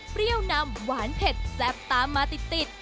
เปรี้ยวน้ำหวานเผ็ดแซ่บตามาติด